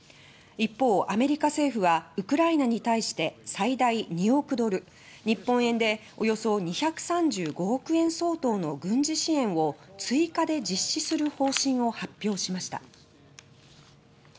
一方、アメリカ政府はウクライナに対して最大２億ドル日本円でおよそ２３５億円相当の軍事支援を追加で実施する方針を発表しました。